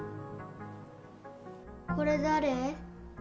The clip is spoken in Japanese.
これ誰？